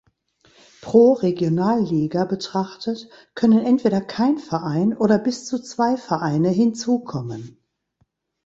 Pro Regionalliga betrachtet können entweder kein Verein oder bis zu zwei Vereine hinzukommen.